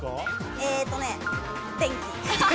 えっとね、電気。